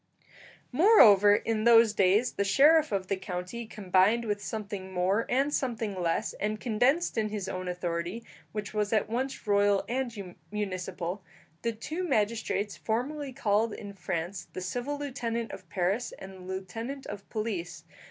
Moreover, in those days the sheriff of the county combined with something more and something less, and condensed in his own authority, which was at once royal and municipal, the two magistrates formerly called in France the civil lieutenant of Paris and the lieutenant of police.